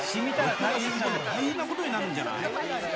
大変なことになるんじゃない？